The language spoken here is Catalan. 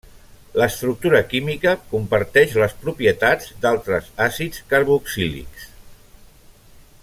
L'estructura química comparteix les propietats d'altres àcids carboxílics.